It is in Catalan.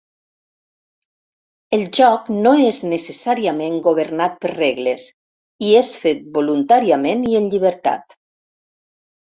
El joc no és necessàriament governat per regles i és fet voluntàriament i en llibertat.